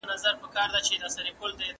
د علم پراختیا اړتیا د مسلکیتوب ده.